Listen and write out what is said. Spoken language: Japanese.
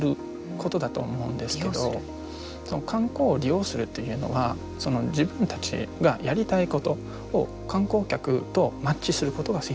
観光を利用するというのは自分たちがやりたいことを観光客とマッチすることが非常に大事だと思います。